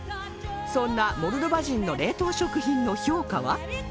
そんなモルドバ人の冷凍食品の評価は？